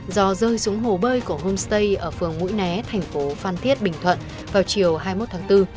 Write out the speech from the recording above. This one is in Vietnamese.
do rơi xuống hồ bơi của homestay ở phường mũi né thành phố phan thiết bình thuận vào chiều hai mươi một tháng bốn